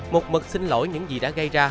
một mực xin lỗi những gì đã gây ra